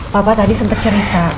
papa tadi sempat cerita